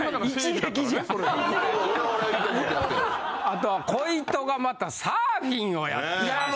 あとは鯉斗がまたサーフィンをやってる。